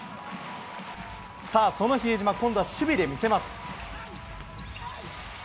さあ、その比江島、今度は守備で見せます。